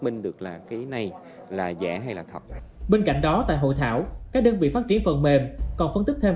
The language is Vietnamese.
bên cạnh đó tại hội thảo các đơn vị phát triển phần mềm còn phân tích thêm